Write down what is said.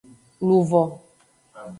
Luvo.